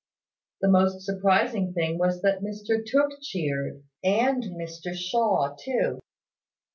The most surprising thing was that Mr Tooke cheered, and Mr Shaw too.